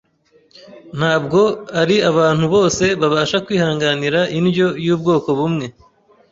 Ntabwo ari abantu bose babasha kwihanganira indyo y’ubwoko bumwe —